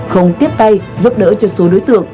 không tiếp tay giúp đỡ cho số đối tượng